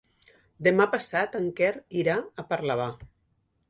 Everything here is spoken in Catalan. Demà passat en Quer irà a Parlavà.